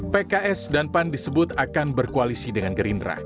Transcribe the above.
pks dan pan disebut akan berkoalisi dengan gerindra